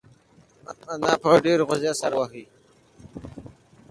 انا په ډېرې غوسې سره هغه وواهه.